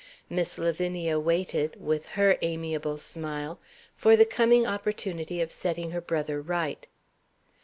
Miss Lavinia waited (with her amiable smile) for the coming opportunity of setting her brother right.